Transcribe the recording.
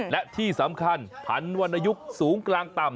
และที่สำคัญผันวรรณยุคสูงกลางต่ำ